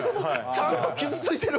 ちゃんと傷ついてる！」